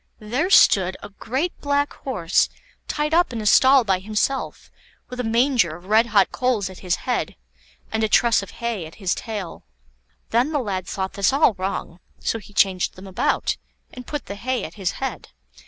There stood a great black horse tied up in a stall by himself, with a manger of red hot coals at his head and a truss of hay at his tail. Then the lad thought this all wrong, so he changed them about, and put the hay at his head.